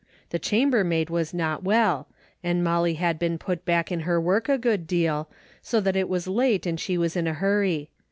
The chambermaid was not well, and Molly had been put back in her work a good deal, so that it was late and she was in a hurry.